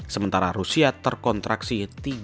sementara rusia terkontraksi tiga